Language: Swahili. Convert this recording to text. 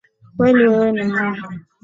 Kweli wewe ni Mungu